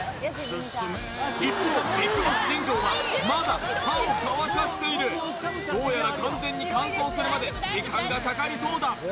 一方ＢＩＧＢＯＳＳ新庄はまだ歯を乾かしているどうやら完全に乾燥するまで時間がかかりそうだ